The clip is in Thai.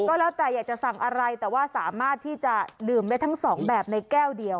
ก็แล้วแต่อยากจะสั่งอะไรแต่ว่าสามารถที่จะดื่มได้ทั้งสองแบบในแก้วเดียว